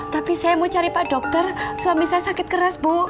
tapi saya mau cari pak dokter suami saya sakit keras bu